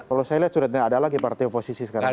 kalau saya lihat sudah tidak ada lagi partai oposisi sekarang